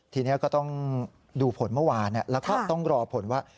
ทีนี้ก็ต้องดูผลเมื่อวานแล้วก็ต้องรอผลว่า